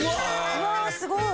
うわーすごい！